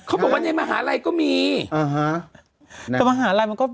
เขาบอกว่าในมหาลัยก็มีอ่าฮะแต่มหาลัยมันก็